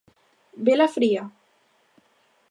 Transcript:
Vela fría?